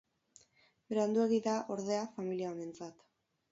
Beranduegi da, ordea, familia honentzat.